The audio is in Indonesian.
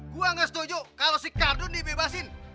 gua gak setuju kalau si cardun dibebasin